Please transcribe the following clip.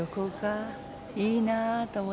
いいなぁと思ってね。